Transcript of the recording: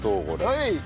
はい！